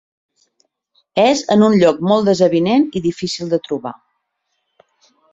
És en un lloc molt desavinent i difícil de trobar.